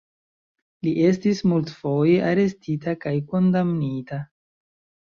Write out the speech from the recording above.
Li estis multfoje arestita kaj kondamnita.